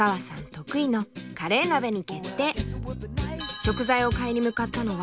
得意のカレー鍋に決定。